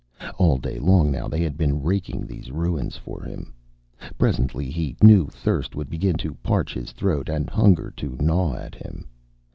All day long now they had been raking these ruins for him. Presently, he knew, thirst would begin to parch his throat and hunger to gnaw at him.